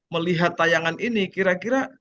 melihat tayangan ini kira kira